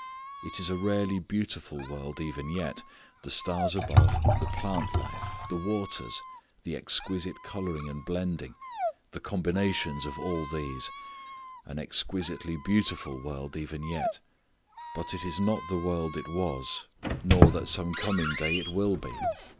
It is a rarely beautiful world even yet the stars above, the plant life, the waters, the exquisite colouring and blending, the combinations of all these an exquisitely beautiful world even yet. But it is not the world it was, nor that some coming day it will be.